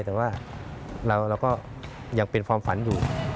แต่ว่าเราก็ยังเป็นความฝันอยู่